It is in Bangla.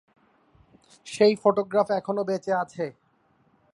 সেই ফটোগ্রাফ এখনও বেঁচে আছে।